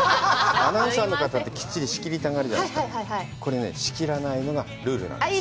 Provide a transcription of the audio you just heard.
アナウンサーの方って、きっちり仕切りたがりだけど、これね、仕切らないのがルールなんです。